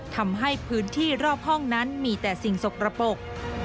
ทำให้พื้นที่รอบห้องนั้นมีแต่สิ่งสกระปก